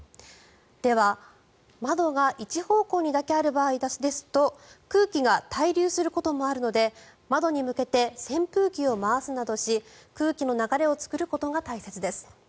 では、窓が１方向にだけある場合ですと空気が滞留することもあるので窓に向けて扇風機を回すなどし空気の流れを作ることが大切です。